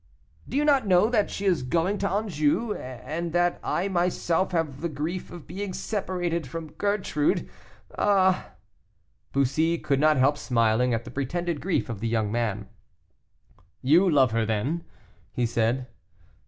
"Do you not know that she is going to Anjou, and that I myself have the grief of being separated from Gertrude. Ah " Bussy could not help smiling at the pretended grief of the young man. "You love her, then?" he said.